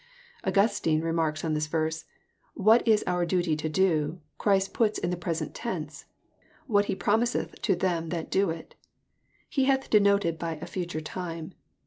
Augustine remarks on this verse, " What is our duty to do, Christ puts in the present tense : what He promiseth to them that do it. He hath denoted by a future time.